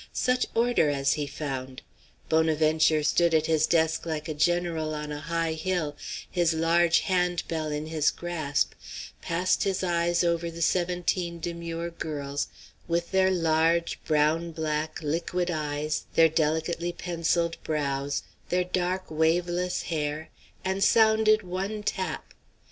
Such order as he found! Bonaventure stood at his desk like a general on a high hill, his large hand bell in his grasp, passed his eyes over the seventeen demure girls, with their large, brown black, liquid eyes, their delicately pencilled brows, their dark, waveless hair, and sounded one tap!